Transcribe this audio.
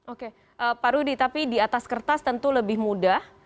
oke pak rudy tapi di atas kertas tentu lebih mudah